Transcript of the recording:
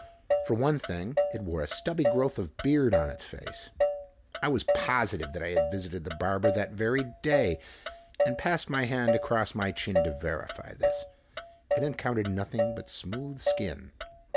For one thing it wore a stubby growth of beard on its face. I was positive that I had visited the barber that very day and passed my hand across my chin to verify this. It encountered nothing but smooth skin.